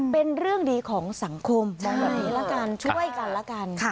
เป็นเรื่องดีของสังคมช่วยกันละกัน